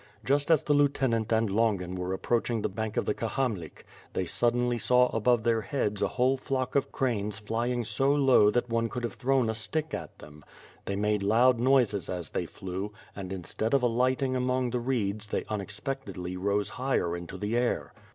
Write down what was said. Just as the Lieutenant and Longin were approaching the bank of the Kahamlik, they suddenly WITH FIRE AND 8W0RD. 39 saw above their heads a whole flock of cranes flying so low that one could have thrown a stick at them. They made loud noises as they flew, and instead of alighting among the reeds they unexpectedly rose higher into the air.